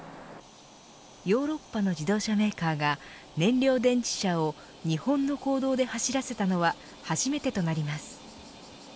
ヨーロッパの自動車メーカーが燃料電池車を日本の公道で走らせたのは初めてとなります。